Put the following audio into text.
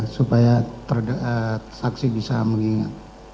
supaya saksi bisa mengingat